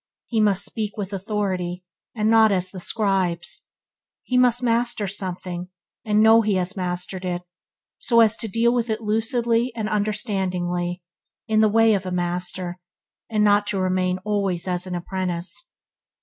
He must "speak with authority, and not as the scribes". He must master something, and know that he has mastered it, so as to deal with it lucidly and understandingly, in the way of a master, and not to remain always an apprentice.